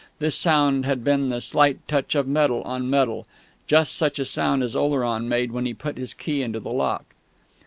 This sound had been the slight touch of metal on metal just such a sound as Oleron made when he put his key into the lock.